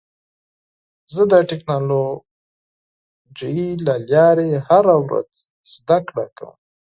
زه د ټکنالوژۍ له لارې هره ورځ زده کړه کوم.